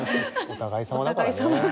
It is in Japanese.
お互いさまだから。